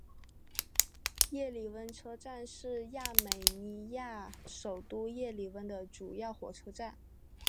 叶里温车站是亚美尼亚首都叶里温的主要火车站。